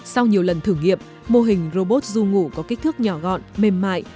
sau nhiều lần thử nghiệm mô hình robot du ngủ có kích thước nhỏ gọn mềm mại